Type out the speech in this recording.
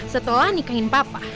setelah nikahin papa